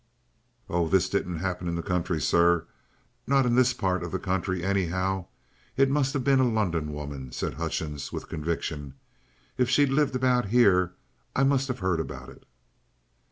"Oh, this didn't happen in the country, sir not in this part of the country, anyhow. It must have been a London woman," said Hutchings with conviction. "If she'd lived about here, I must have heard about it."